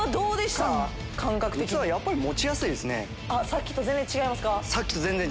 さっきと全然違いますか？